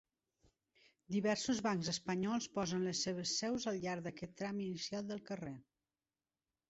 Diversos bancs espanyols posen les seves seus al llarg d'aquest tram inicial del carrer.